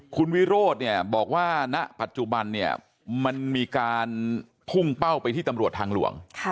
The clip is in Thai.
คุณวิโรธเนี่ยบอกว่าณปัจจุบันเนี่ยมันมีการพุ่งเป้าไปที่ตำรวจทางหลวง